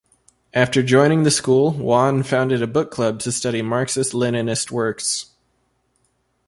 After joining the school Wan founded a book club to study Marxist-Leninist works.